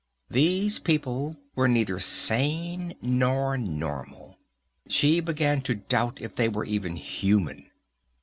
These people were neither sane nor normal; she began to doubt if they were even human.